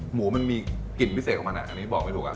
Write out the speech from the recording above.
หมูมันมีกลิ่นพิเศษของมันอันนี้บอกไม่ถูก